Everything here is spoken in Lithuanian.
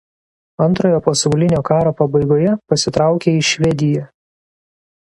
Antrojo pasaulinio karo pabaigoje pasitraukė į Švediją.